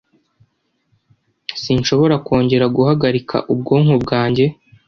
sinshobora kongera guhagarika ubwonko bwanjye